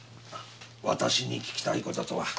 私に聞きたい事とは。